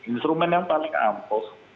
instrumen yang paling ampuh